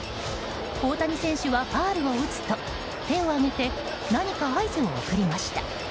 大谷選手はファウルを打つと手を挙げて何か合図を送りました。